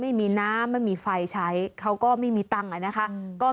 ไม่มีน้ำไม่มีไฟใช้เขาก็ไม่มีตังค์อ่ะนะคะ